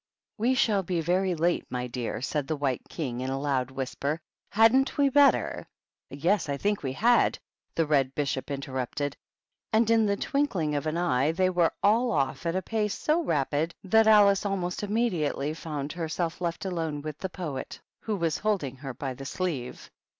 " "We shall be very late, my dear," said the White King, in a loud whisper; "hadn't we better "" Yes, I think we had," the Red Bishop inter rupted. And in the twinkling of an eye they were all off at a pace so rapid, that Alice almost immediately found herself left alone with the 180 THE BISHOPS. Poet, who was holding her by the sleeve.